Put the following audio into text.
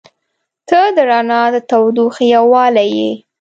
• ته د رڼا او تودوخې یووالی یې.